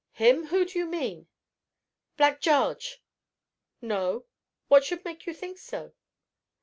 "Him whom do you mean?" "Black Jarge!" "No; what should make you think so?"